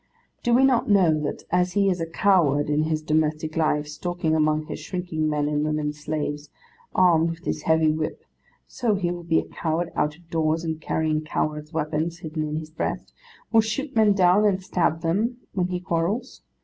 Do we not know that as he is a coward in his domestic life, stalking among his shrinking men and women slaves armed with his heavy whip, so he will be a coward out of doors, and carrying cowards' weapons hidden in his breast, will shoot men down and stab them when he quarrels?